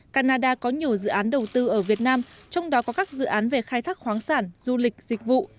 canada có nhiều dự án đầu tư ở việt nam trong đó có các dự án về khai thác khoáng sản du lịch dịch vụ